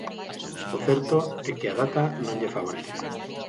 O certo é que a data non lle favorece.